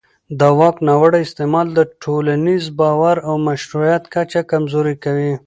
د واک ناوړه استعمال د ټولنیز باور او مشروعیت کچه کمزوري کوي